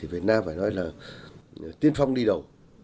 đó là tiên phong đi đầu